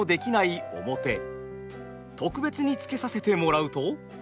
特別につけさせてもらうと。